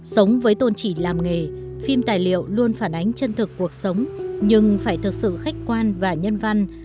sống với tôn trị làm nghề phim tài liệu luôn phản ánh chân thực cuộc sống nhưng phải thực sự khách quan và nhân văn